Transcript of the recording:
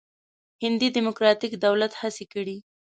هندي ډموکراتیک دولت هڅې کړې.